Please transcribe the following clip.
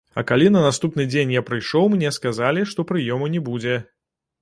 А калі на наступны дзень я прыйшоў, мне сказалі, што прыёму не будзе.